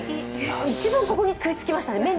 一番、ここに食いつきましたね。